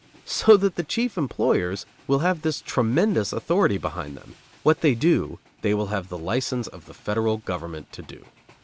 So that the chief employers will have this tremendous authority behind them: what they do, they will have the license of the federal government to do.